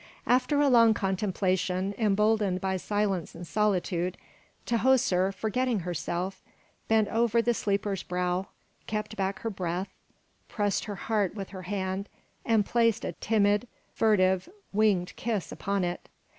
After a long contemplation, emboldened by silence and solitude, Tahoser, forgetting herself, bent over the sleeper's brow, kept back her breath, pressed her heart with her hand, and placed a timid, furtive, winged kiss upon it.